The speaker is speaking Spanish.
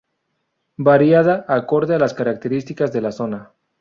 Variada, acorde a las características de la zona.